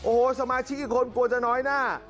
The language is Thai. โอ้โหสมาชิกอีกคนกลัวจะน้อยหน้า